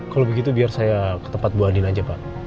kalau begitu biar saya ke tempat bu adin aja pak